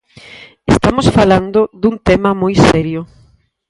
Estamos falando dun tema moi serio.